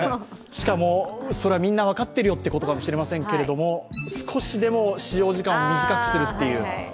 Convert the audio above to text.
しかも、それはみんな分かってるよということかもしれませんけれども少しでも使用時間を短くするという。